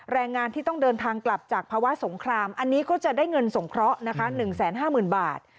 แรงงานที่ต้องเดินทางกลับจากภาวะสงครามอันนี้ก็จะได้เงินสงเคราะห์นะคะ๑๕๐๐๐บาท